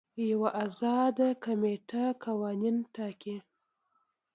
یوه ازاده کمیټه قوانین ټاکي.